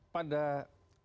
pada saat yang terjadi